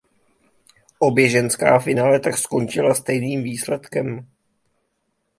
Obě ženská finále tak skončila stejným výsledkem.